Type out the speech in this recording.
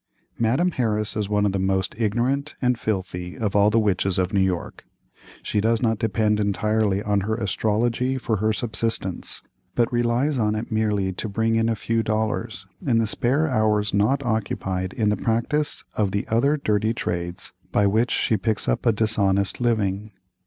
Madame Harris is one of the most ignorant and filthy of all the witches of New York. She does not depend entirely on her "astrology" for her subsistence, but relies on it merely to bring in a few dollars in the spare hours not occupied in the practice of the other dirty trades by which she picks up a dishonest living.